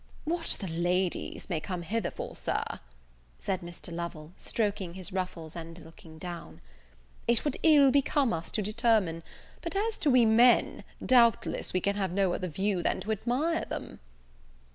"What the ladies may come hither for, Sir," said Mr. Lovel, (stroking his ruffles, and looking down,) "it would ill become us to determine; but as to we men, doubtless we can have no other view than to admire them."